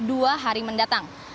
kedua hari mendatang